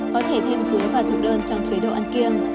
có thể thêm dưới và thực đơn trong chế độ ăn kiêng